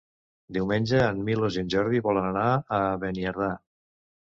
Diumenge en Milos i en Jordi volen anar a Beniardà.